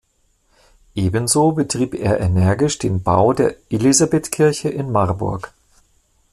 Ebenso betrieb er energisch den Bau der Elisabethkirche in Marburg.